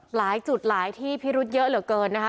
หลายจุดหลายที่พิรุธเยอะเหลือเกินนะคะ